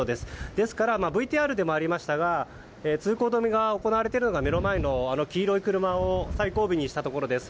ですからＶＴＲでもありましたが通行止めが行われているのが目の前の黄色い車を最後尾にしたところです。